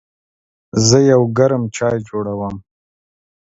زه یو ګرم چای جوړوم.